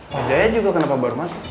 pak jaya juga kenapa baru masuk